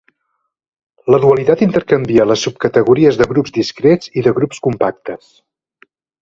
La dualitat intercanvia les subcategories de grups discrets i de grups compactes.